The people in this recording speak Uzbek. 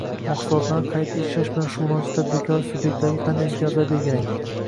maxsulotlarni qayta ishlash bilan shug‘ullanuvchi tadbirkorlik sub’ektlariga qanday imtiyozlar belgilangan?